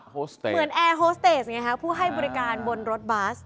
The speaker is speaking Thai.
โฮสเตจเหมือนแอร์โฮสเตสไงฮะผู้ให้บริการบนรถบัส